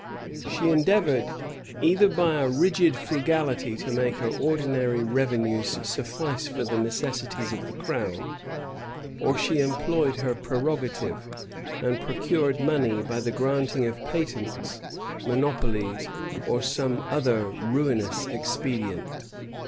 She endeavored, either by a rigid frugality to make her ordinary revenues suffice for the necessities of the crown, or she employed her prerogative, and procured money by the granting of patents, monopolies, or by some such ruinous expedient.